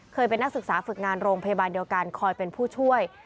เป็นนักศึกษาฝึกงานโรงพยาบาลเดียวกันคอยเป็นผู้ช่วย